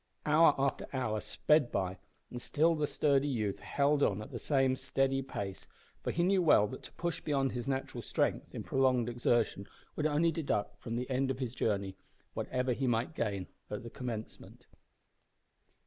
Hour after hour sped by, and still the sturdy youth held on at the same steady pace, for he knew well that to push beyond his natural strength in prolonged exertion would only deduct from the end of his journey whatever he might gain at the commencement.